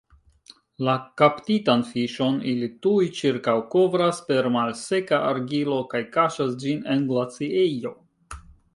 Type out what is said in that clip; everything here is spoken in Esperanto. La kaptitan fiŝon ili tuj ĉirkaŭkovras per malseka argilo kaj kaŝas ĝin en glaciejo.